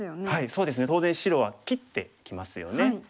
そうですね当然白は切ってきますよね。